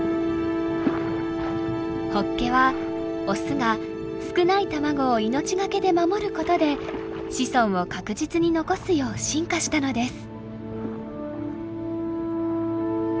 ホッケはオスが少ない卵を命懸けで守ることで子孫を確実に残すよう進化したのです。